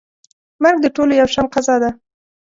مرګ د ټولو یو شان قضا ده.